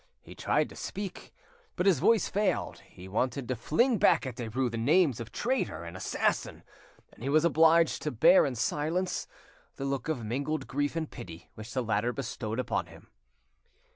He tried to speak, but his voice failed; he wanted to fling back at Derues the names of traitor and assassin, and he was obliged to bear in silence the look of mingled grief and pity which the latter bestowed upon him.